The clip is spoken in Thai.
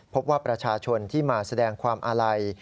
พบว่าประชาชนที่มาแสดงความอาลัย